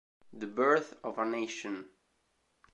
The Birth of a Nation